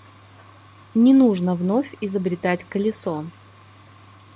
Не нужно вновь изобретать колесо.